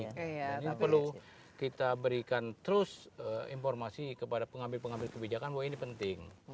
ini perlu kita berikan terus informasi kepada pengambil pengambil kebijakan bahwa ini penting